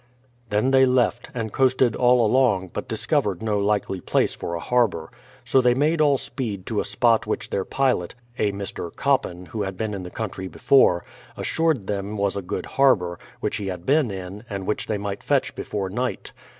Then they left, and coasted all along, but discovered no likely place for a harbour. So they made all speed to a spot which their pilot — a Mr. Coppin, who had been in the country before — assured them was a good harbour, which he had been in, and which they might fetch before night.